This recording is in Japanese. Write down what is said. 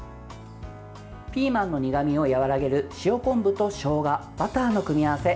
ピーマンの苦みを和らげる塩昆布としょうが、バターの組み合わせ。